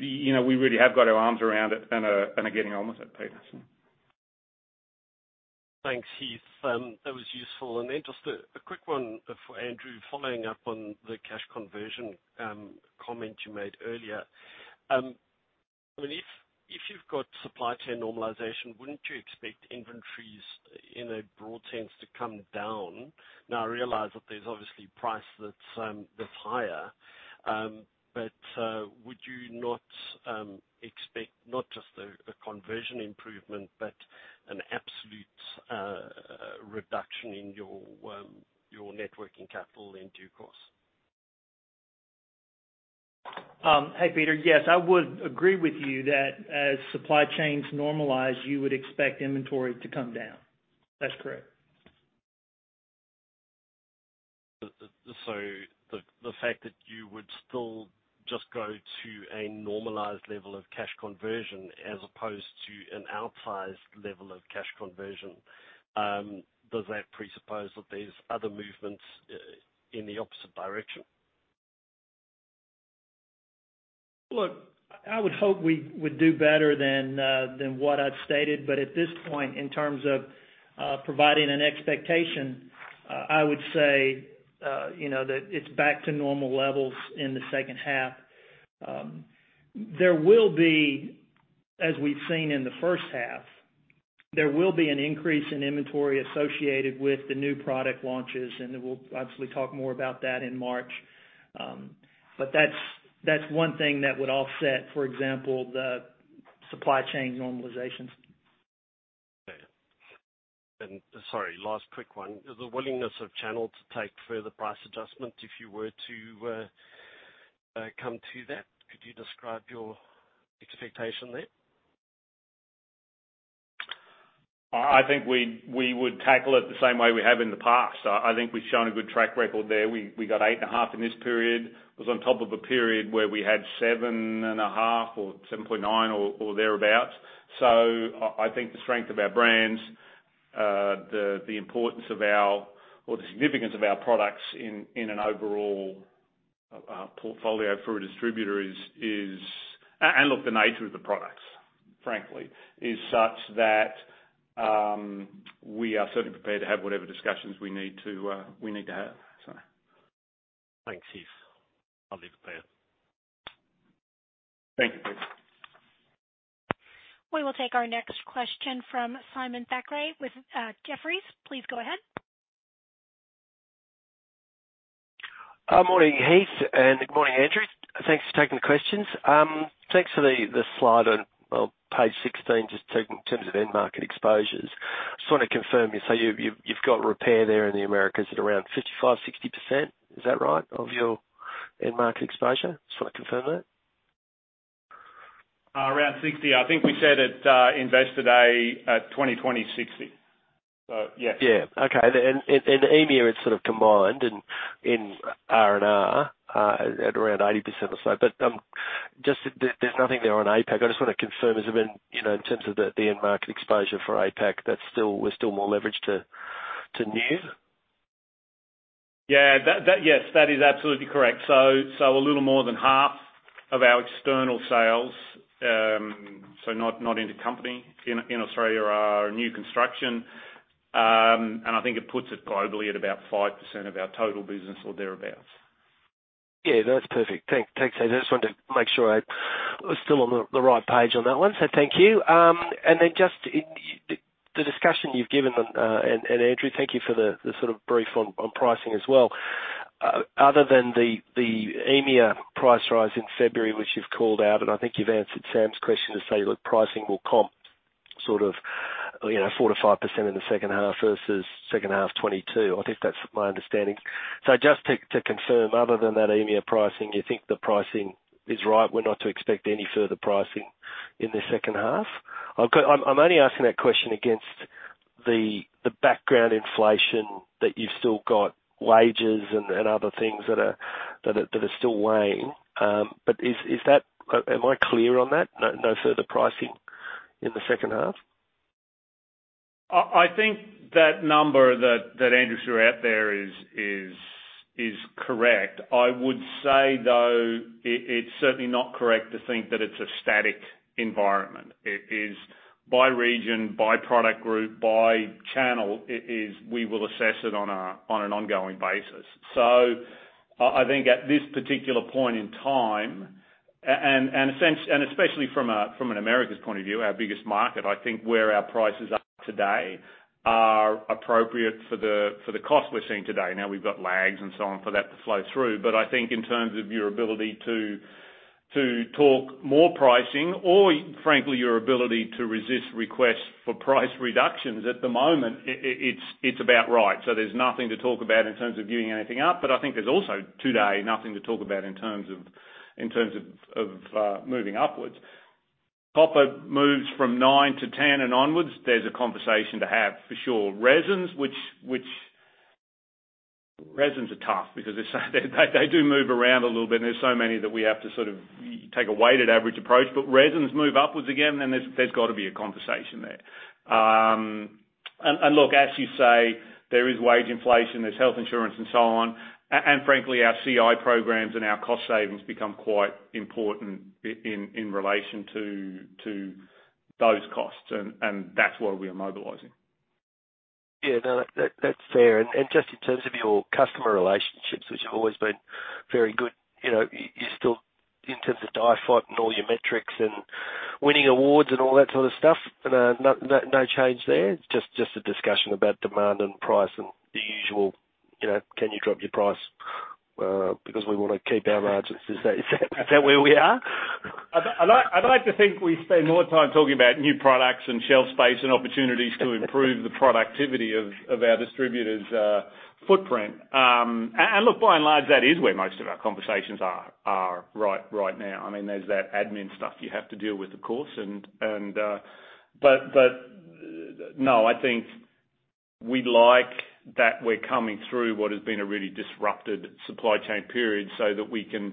You know, we really have got our arms around it and are getting on with it, Peter. Thanks, Heath. That was useful. Just a quick one for Andrew, following up on the cash conversion comment you made earlier. I mean, if you've got supply chain normalization, wouldn't you expect inventories in a broad sense to come down? I realize that there's obviously price that's higher, would you not expect not just a conversion improvement, but an absolute reduction in your networking capital in due course? hey, Peter. Yes, I would agree with you that as supply chains normalize, you would expect inventory to come down. That's correct. The fact that you would still just go to a normalized level of cash conversion as opposed to an outsized level of cash conversion, does that presuppose that there's other movements in the opposite direction? Look, I would hope we would do better than what I've stated, but at this point, in terms of providing an expectation, I would say, you know, that it's back to normal levels in the second half. There will be, as we've seen in the first half, there will be an increase in inventory associated with the new product launches, and we'll obviously talk more about that in March. That's, that's one thing that would offset, for example, the supply chain normalizations. Okay. Sorry, last quick one. The willingness of channel to take further price adjustments if you were to come to that, could you describe your expectation there? I think we would tackle it the same way we have in the past. I think we've shown a good track record there. We got 8.5 in this period. It was on top of a period where we had 7.5 or 7.9 or thereabout. I think the strength of our brands, the importance of our or the significance of our products in an overallOur, our portfolio for a distributor is. And look, the nature of the products, frankly, is such that we are certainly prepared to have whatever discussions we need to, we need to have. Thanks, Heath. I'll leave it there. Thank you. We will take our next question from Simon Thackray with Jefferies. Please go ahead. Morning, Heath, good morning, Andrew. Thanks for taking the questions. Thanks for the slide on, well, page 16, just in terms of end market exposures. Just wanna confirm, you say you've got repair there in the Americas at around 55, 60%. Is that right, of your end market exposure? Just wanna confirm that. Around 60. I think we said at Investor Day 2020, 60. Yes. Yeah. Okay. EMEA is sort of combined and in R&R, at around 80% or so. Just that there's nothing there on APAC. I just wanna confirm, has there been, you know, in terms of the end market exposure for APAC, that's still, we're still more leveraged to new? Yes, that is absolutely correct. A little more than half of our external sales, not in the company in Australia are new construction. I think it puts it globally at about 5% of our total business or thereabouts. Yeah, that's perfect. Thanks, Heath. I just wanted to make sure I was still on the right page on that one. Thank you. Then just in the discussion you've given, and Andrew, thank you for the sort of brief on pricing as well. Other than the EMEA price rise in February, which you've called out, and I think you've answered Sam's question to say, look, pricing will comp sort of, you know, 4%-5% in the second half versus second half 2022. I think that's my understanding. Just to confirm, other than that EMEA pricing, you think the pricing is right? We're not to expect any further pricing in the second half? I've got I'm only asking that question against the background inflation that you've still got wages and other things that are still weighing. Am I clear on that? No further pricing in the second half? I think that number that Andrew threw out there is correct. I would say though, it's certainly not correct to think that it's a static environment. It is by region, by product group, by channel. It is, we will assess it on an ongoing basis. I think at this particular point in time, and especially from an Americas point of view, our biggest market, I think where our prices are today are appropriate for the cost we're seeing today. Now we've got lags and so on for that to flow through. I think in terms of your ability to talk more pricing or frankly your ability to resist requests for price reductions at the moment, it's about right. There's nothing to talk about in terms of giving anything up. I think there's also today nothing to talk about in terms of moving upwards. Copper moves from $9-$10 and onwards, there's a conversation to have for sure. Resins are tough because they're so they do move around a little bit and there's so many that we have to sort of take a weighted average approach. Resins move upwards again, then there's got to be a conversation there. Look, as you say, there is wage inflation, there's health insurance and so on. Frankly, our CI programs and our cost savings become quite important in relation to those costs. That's where we are mobilizing. Yeah. No, that, that's fair. Just in terms of your customer relationships, which have always been very good, you know, you still, in terms of DIFOT and all your metrics and winning awards and all that sort of stuff, and, no change there? Just, just a discussion about demand and price and the usual, you know, "Can you drop your price, because we wanna keep our margins." Is that where we are? I'd like to think we spend more time talking about new products and shelf space and opportunities to improve the productivity of our distributors' footprint. Look, by and large, that is where most of our conversations are right now. I mean, there's that admin stuff you have to deal with of course. No, I think we'd like that we're coming through what has been a really disrupted supply chain period so that we can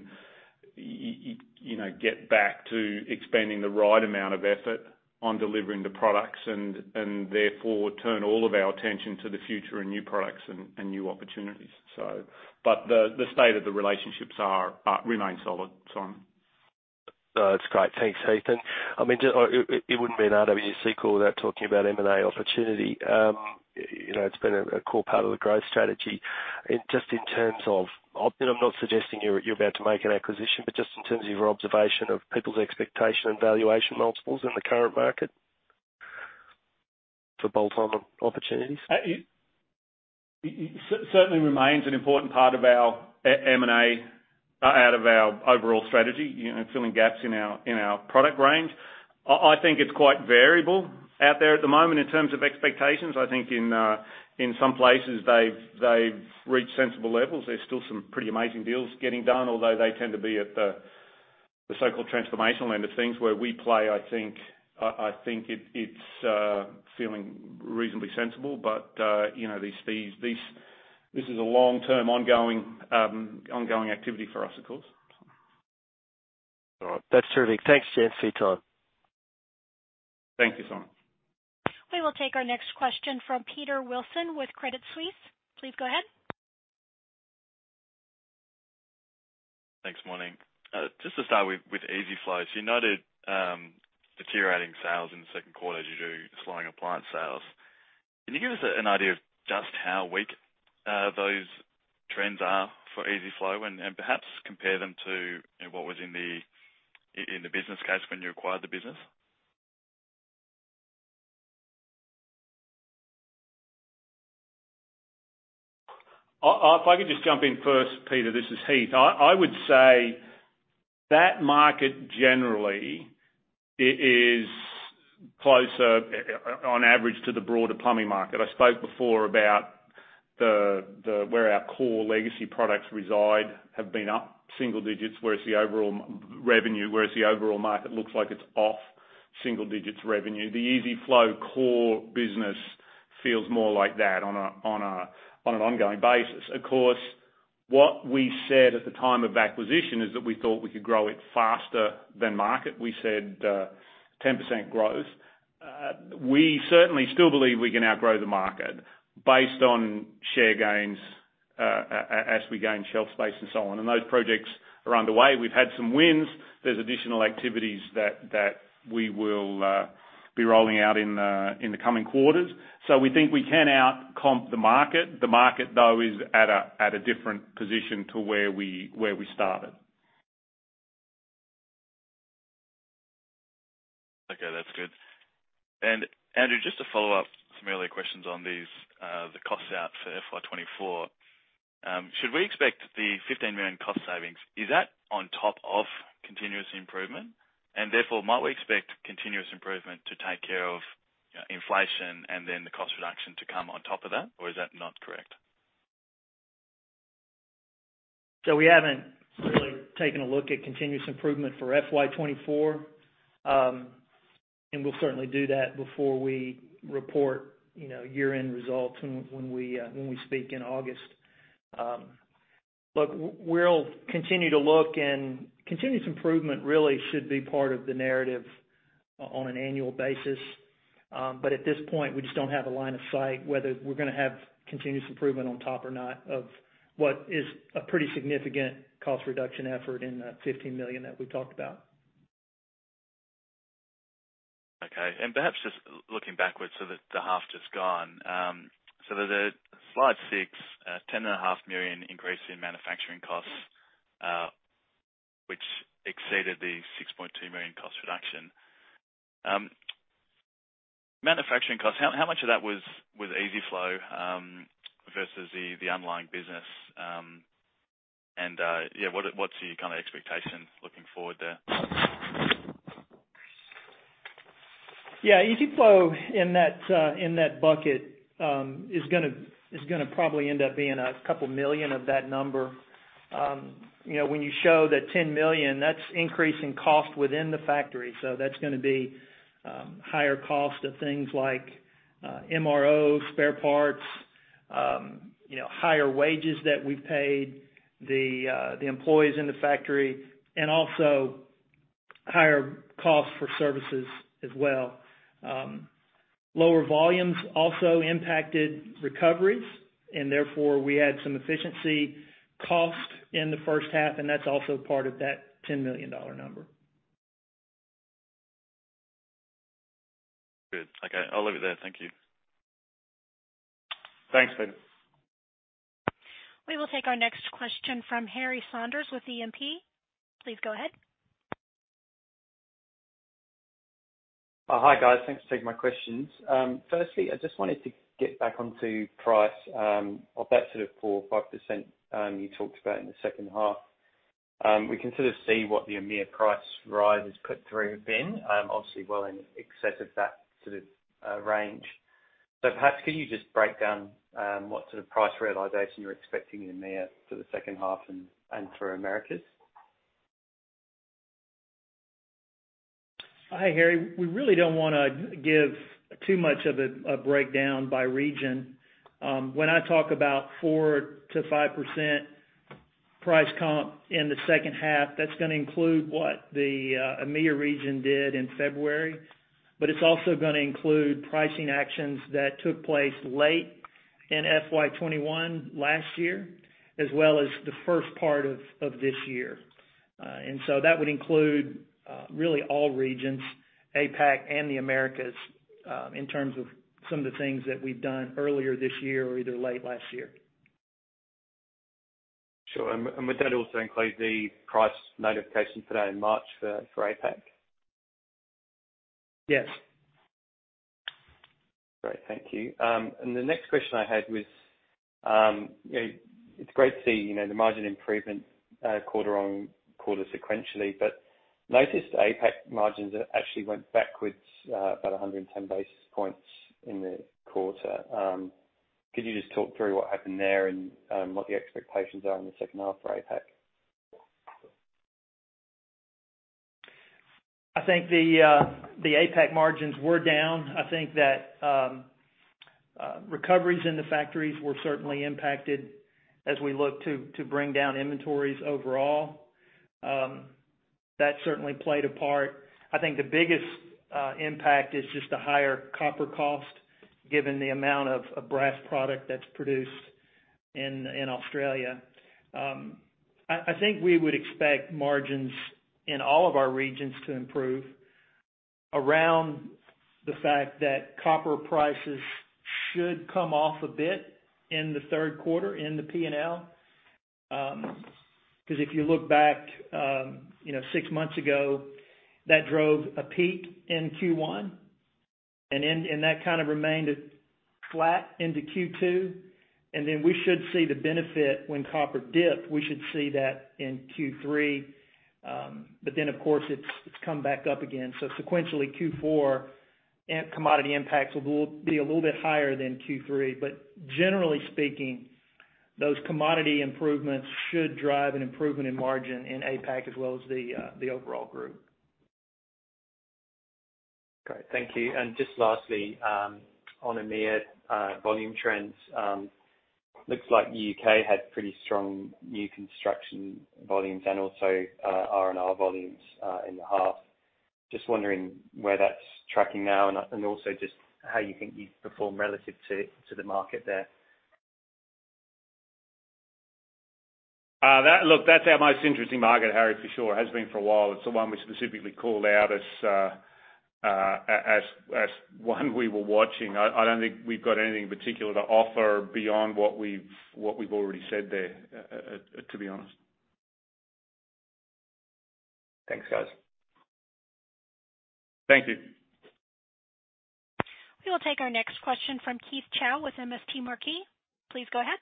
you know, get back to expanding the right amount of effort on delivering the products and therefore turn all of our attention to the future and new products and new opportunities. The state of the relationships are remain solid, Simon. That's great. Thanks, Heath. I mean, it wouldn't be an RWC call without talking about M&A opportunity. You know, it's been a core part of the growth strategy. Just in terms of, and I'm not suggesting you're about to make an acquisition, but just in terms of your observation of people's expectation and valuation multiples in the current market for bolt-on opportunities. It certainly remains an important part of our M&A out of our overall strategy, you know, filling gaps in our, in our product range. I think it's quite variable out there at the moment in terms of expectations. I think in some places they've reached sensible levels. There's still some pretty amazing deals getting done, although they tend to be at the so-called transformational end of things where we play I think, I think it's feeling reasonably sensible. You know, these fees, this is a long-term ongoing activity for us, of course. All right. That's terrific. Thanks, gents for your time. Thank you, Simon We will take our next question from Peter Wilson with Credit Suisse. Please go ahead. Thanks. Morning. just to start with EZ-FLO, you noted deteriorating sales in the Q2 as you do slowing appliance sales. Can you give us an idea of just how weak those trends are for EZ-FLO and perhaps compare them to, you know, what was in the business case when you acquired the business? If I could just jump in first, Peter. This is Heath. I would say that market generally is closer on average to the broader plumbing market. I spoke before about the where our core legacy products reside have been up single digits, whereas the overall revenue, whereas the overall market looks like it's off single digits revenue. The EZ-FLO core business feels more like that on an ongoing basis. Of course, what we said at the time of acquisition is that we thought we could grow it faster than market. We said, 10% growth. We certainly still believe we can outgrow the market based on share gains, as we gain shelf space and so on. Those projects are underway. We've had some wins. There's additional activities that we will be rolling out in the coming quarters. We think we can out comp the market. The market, though, is at a different position to where we started. Okay. That's good. Andrew, just to follow up some earlier questions on these, the costs out for FY24, should we expect the $15 million cost savings? Is that on top of continuous improvement? Therefore, might we expect continuous improvement to take care of inflation and then the cost reduction to come on top of that? Or is that not correct? We haven't really taken a look at continuous improvement for FY24. We'll certainly do that before we report, you know, year-end results when we speak in August. Look, we'll continue to look and continuous improvement really should be part of the narrative on an annual basis. At this point, we just don't have a line of sight whether we're gonna have continuous improvement on top or not of what is a pretty significant cost reduction effort in the $15 million that we talked about. Okay. Perhaps just looking backwards to the half just gone. The slide 6, $10.5 million increase in manufacturing costs, which exceeded the $6.2 million cost reduction. Manufacturing costs, how much of that was EZ-FLO versus the underlying business? Yeah, what's your kinda expectation looking forward there? Yeah, EZ-FLO in that, in that bucket, is gonna probably end up being a couple million of that number. You know, when you show that $10 million, that's increasing cost within the factory. That's gonna be, higher cost of things like MRO, spare parts, you know, higher wages that we paid the employees in the factory, and also higher costs for services as well. Lower volumes also impacted recoveries, and therefore, we had some efficiency cost in the first half, and that's also part of that $10 million number. Good. Okay, I'll leave it there. Thank you. Thanks, Peter. We will take our next question from Harry Saunders with E&P. Please go ahead. Hi, guys. Thanks for taking my questions. Firstly, I just wanted to get back onto price of that sort of 4% or 5% you talked about in the second half. We can sort of see what the EMEA price rise has put through have been obviously well in excess of that sort of range. Perhaps could you just break down what sort of price realization you're expecting in EMEA for the second half and for Americas? Hi, Harry. We really don't wanna give too much of a breakdown by region. When I talk about 4%-5% price comp in the second half, that's gonna include what the EMEA region did in February, but it's also gonna include pricing actions that took place late in FY21 last year, as well as the first part of this year. That would include really all regions, APAC and the Americas, in terms of some of the things that we've done earlier this year or either late last year. Sure. Would that also include the price notification for March for APAC? Yes. Great. Thank you. The next question I had was, you know, it's great to see, you know, the margin improvement, quarter-on-quarter sequentially. Noticed APAC margins actually went backwards, about 110 basis points in the quarter. Could you just talk through what happened there and, what the expectations are in the second half for APAC? I think the APAC margins were down. I think that recoveries in the factories were certainly impacted as we look to bring down inventories overall. That certainly played a part. I think the biggest impact is just the higher copper cost, given the amount of brass product that's produced in Australia. I think we would expect margins in all of our regions to improve around the fact that copper prices should come off a bit in the Q3 in the P&L. 'Cause if you look back, you know, six months ago, that drove a peak in Q1 and that kind of remained at flat into Q2. We should see the benefit when copper dip, we should see that in Q3. Of course, it's come back up again. sequentially Q4 and commodity impacts will be a little bit higher than Q3. generally speaking, those commodity improvements should drive an improvement in margin in APAC as well as the overall group. Great. Thank you. Just lastly, on EMEA, volume trends, looks like UK had pretty strong new construction volumes and also, R&R volumes, in the half. Just wondering where that's tracking now and also just how you think you perform relative to the market there. Look, that's our most interesting market, Harry, for sure. It has been for a while. It's the one we specifically called out as one we were watching. I don't think we've got anything particular to offer beyond what we've already said there, to be honest. Thanks, guys. Thank you. We will take our next question from Keith Chau with MST Marquee. Please go ahead.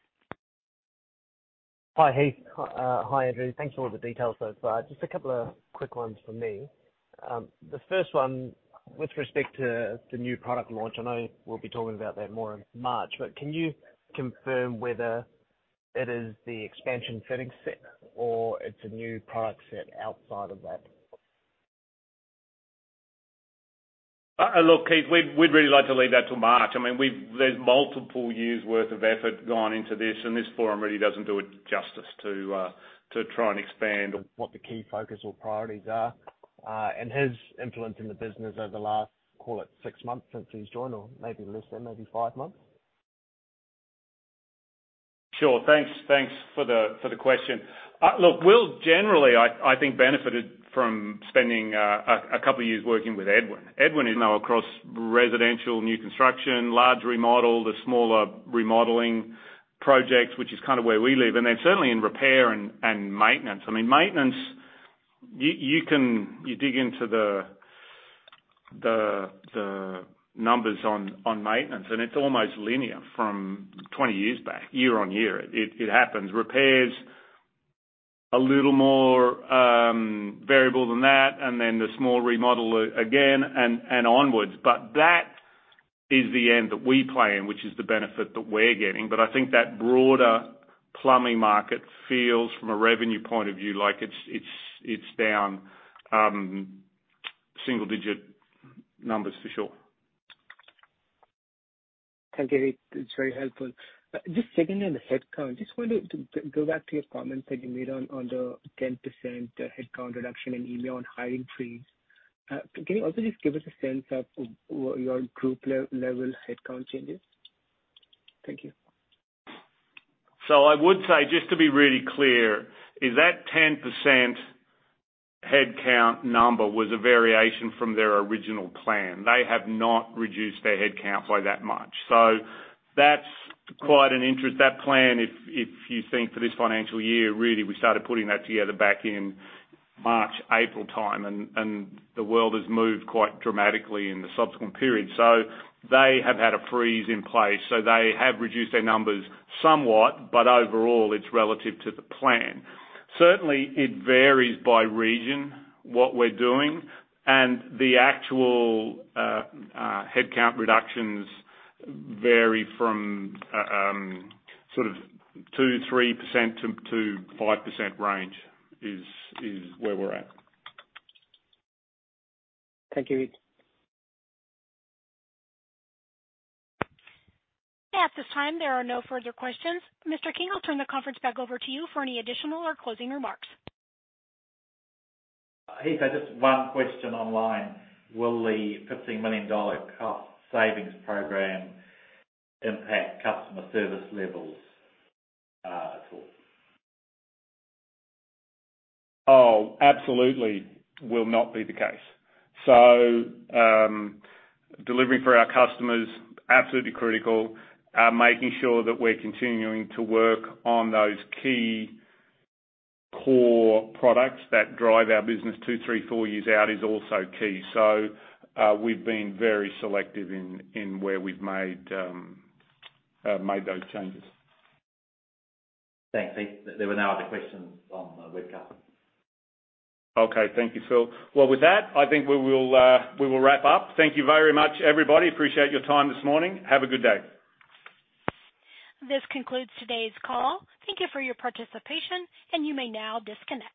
Hi, Heath. Hi, Andrew. Thanks for all the details so far. Just a couple of quick ones from me. The first one, with respect to the new product launch, I know we'll be talking about that more in March, but can you confirm whether it is the expansion fitting set or it's a new product set outside of that? look, Keith, we'd really like to leave that till March. I mean, there's multiple years worth of effort gone into this, and this forum really doesn't do it justice to try and. What the key focus or priorities are, and his influence in the business over the last, call it six months since he's joined, or maybe less than maybe five months. Sure. Thanks for the question. Look, Will generally I think benefited from spending a couple of years working with Edwin. Edwin is now across residential new construction, large remodel, the smaller remodeling projects, which is kind of where we live. Then certainly in repair and maintenance. I mean, maintenance, you can dig into the numbers on maintenance, and it's almost linear from 20 years back, year-on-year. It happens. Repairs, a little more variable than that. Then the small remodel again and onwards. That is the end that we play in, which is the benefit that we're getting. I think that broader plumbing market feels from a revenue point of view like it's down single-digit numbers for sure. Thank you, Heath. It's very helpful. Just secondly on the headcount, just wanted to go back to your comments that you made on the 10% headcount reduction in EMEA on hiring freeze. Can you also just give us a sense of your group level headcount changes? Thank you. I would say, just to be really clear, is that 10% headcount number was a variation from their original plan. They have not reduced their headcount by that much. That's quite an interest. That plan, if you think for this financial year, really, we started putting that together back in March, April time, and the world has moved quite dramatically in the subsequent period. They have had a freeze in place. They have reduced their numbers somewhat, but overall it's relative to the plan. Certainly, it varies by region, what we're doing, and the actual headcount reductions vary from sort of 2%-3% to 5% range is where we're at. Thank you, Heath. At this time, there are no further questions. Phil King, I'll turn the conference back over to you for any additional or closing remarks. Heath, just one question online. Will the $15 million cost savings program impact customer service levels at all? Oh, absolutely will not be the case. Delivering for our customers, absolutely critical. Making sure that we're continuing to work on those key core products that drive our business two, three, four years out is also key. We've been very selective in where we've made those changes. Thanks. There were no other questions on the webcast. Okay. Thank you, Phil. With that, I think we will wrap up. Thank you very much, everybody. Appreciate your time this morning. Have a good day. This concludes today's call. Thank you for your participation. You may now disconnect.